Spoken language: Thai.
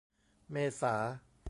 เมษา